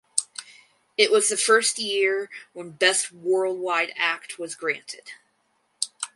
It was the first year when Best Worldwide Act was granted.